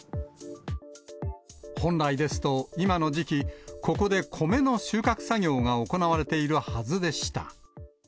本来ですと今の時期、ここで米の収穫作業が行われているはずでした。